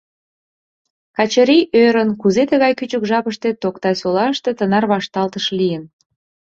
Качырий ӧрын, кузе тыгай кӱчык жапыште Токтай-Солаште тынар вашталтыш лийын?